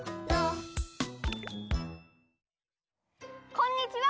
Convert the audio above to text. こんにちは！